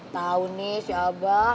tau nih si abah